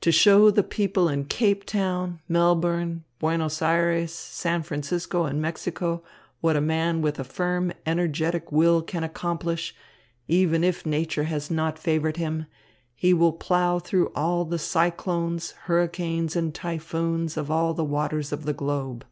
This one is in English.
To show the people in Cape Town, Melbourne, Buenos Aires, San Francisco and Mexico what a man with a firm, energetic will can accomplish, even if nature has not favoured him, he will plow through all the cyclones, hurricanes and typhoons of all the waters of the globe.